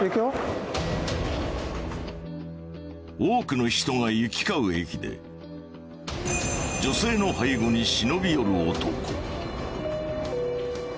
多くの人が行き交う駅で女性の背後に忍び寄る男。